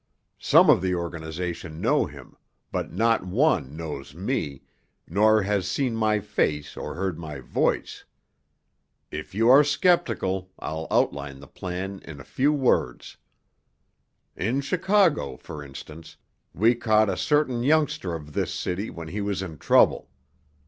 Some of the organization know him, but not one knows me, nor has seen my face or heard my voice. If you are skeptical, I'll outline the plan in a few words. In Chicago, for instance, we caught a certain youngster of this city when he was in trouble.